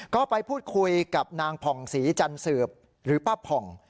ก็ไปพูดคุยกับนางผ่องศรีจันสืบหรือป้าผ่อง